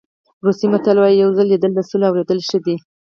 روسي متل وایي یو ځل لیدل له سل اورېدلو ښه دي.